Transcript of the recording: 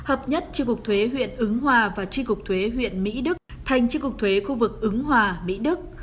hợp nhất tri cục thuế huyện ứng hòa và tri cục thuế huyện mỹ đức thành tri cục thuế khu vực ứng hòa mỹ đức